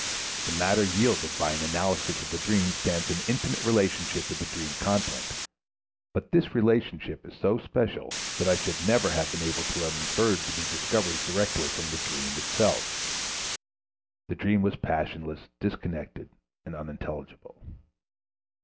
The matter yielded by an analysis of the dream stands in intimate relationship with the dream content, but this relationship is so special that I should never have been able to have inferred the new discoveries directly from the dream itself. The dream was passionless, disconnected, and unintelligible.